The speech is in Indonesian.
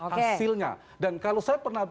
hasilnya dan kalau saya pernah